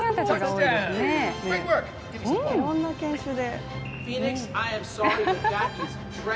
いろんな犬種で。